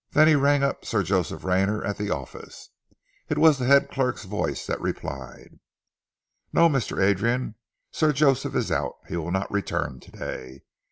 Then he rang up Sir Joseph Rayner at the office. It was the head clerk's voice that replied. "No, Mr. Adrian, Sir Joseph is out. He will not return today.